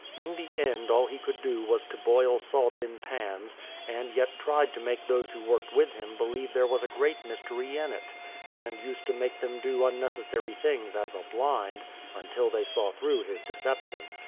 In the end all he could do was to boil salt in pans, and yet tried to make those who worked with him believe there was a great mystery in it, and used to make them do unnecessary things as a blind, until they saw through his deception.